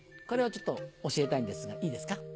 これをちょっと教えたいんですがいいですか？